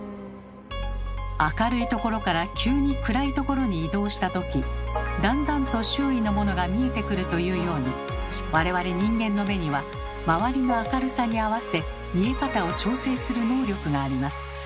明るい所から急に暗い所に移動したときだんだんと周囲のものが見えてくるというように我々人間の目には周りの明るさに合わせ見え方を調整する能力があります。